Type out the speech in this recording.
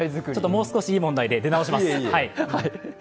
もう少しいい問題で出直します。